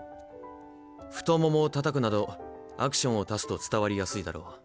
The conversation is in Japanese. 太ももをたたくなどアクションを足すと伝わりやすいだろう。